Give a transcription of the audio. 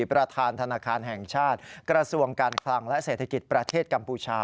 ประธานธนาคารแห่งชาติกระทรวงการคลังและเศรษฐกิจประเทศกัมพูชา